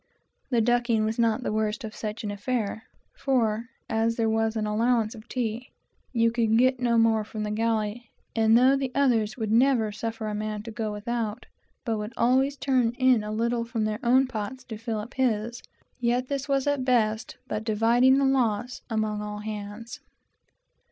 The ducking was not the worst of such an affair, for, as there was an allowance of tea, you could get no more from the galley; and though sailors would never suffer a man to go without, but would always turn in a little from their own pots to fill up his, yet this was at best but dividing the loss among all hands.